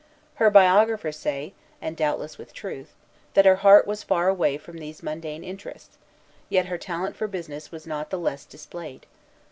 Her biographers say, and doubtless with truth, that her heart was far away from these mundane interests; yet her talent for business was not the less displayed.